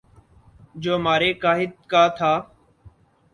جو ہمارے قاہد کا تھا